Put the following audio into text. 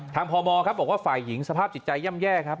พมครับบอกว่าฝ่ายหญิงสภาพจิตใจย่ำแย่ครับ